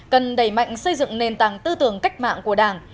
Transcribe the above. cần đẩy mạnh xây dựng nền tảng tư tưởng cách mạng của đảng